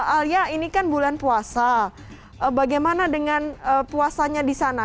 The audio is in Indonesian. alia ini kan bulan puasa bagaimana dengan puasanya di sana